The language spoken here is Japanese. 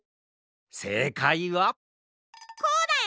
せいかいはこうだよ！